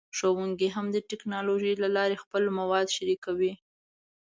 ښوونکي هم د ټیکنالوژۍ له لارې خپل مواد شریکوي.